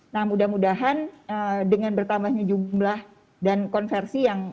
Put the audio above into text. nah mudah mudahan dengan bertambahnya jumlah dan konversi yang